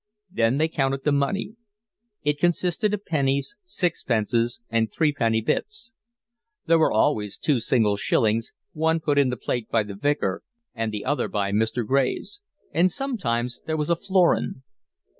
Then they counted the money. It consisted of pennies, sixpences and threepenny bits. There were always two single shillings, one put in the plate by the Vicar and the other by Mr. Graves; and sometimes there was a florin.